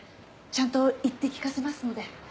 ちゃんと言って聞かせますので。